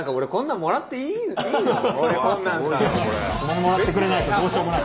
もらってくれないとどうしようもない。